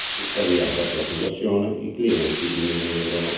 Tuttavia, dopo la conversione, i clienti diminuirono.